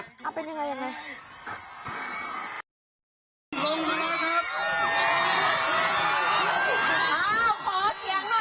อ่ะเป็นยังไงยังไง